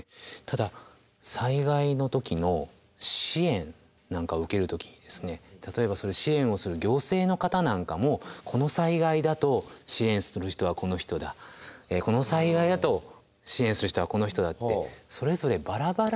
ただ災害の時の支援なんか受ける時に例えば支援をする行政の方なんかもこの災害だと支援する人はこの人だこの災害だと支援する人はこの人だってそれぞれバラバラに決めているんですね。